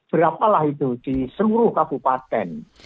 berapalah itu di seluruh kabupaten